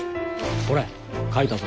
ほれ書いたぞ。